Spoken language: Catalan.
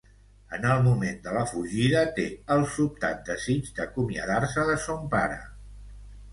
En el moment de la fugida té el sobtat desig d'acomiadar-se de son pare.